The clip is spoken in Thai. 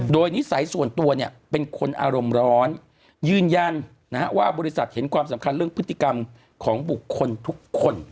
โดยนิสัยส่วนตัวเนี่ยเป็นคนอารมณ์ร้อนยืนยันว่าบริษัทเห็นความสำคัญเรื่องพฤติกรรมของบุคคลทุกคน